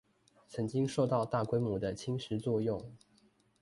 曾經受到大規模的侵蝕作用